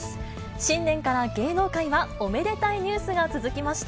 新年から芸能界はおめでたいニュースが続きました。